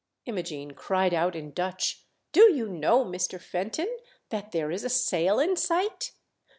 Imogene cried out in Dutch, " Do you know, Mr. Fenton, that there is a sail in sight